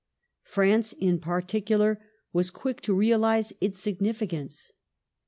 France, in particular, was quick to realize its significance.